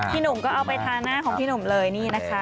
พี่หนุ่มก็เอาไปทาหน้าของพี่หนุ่มเลยนี่นะคะ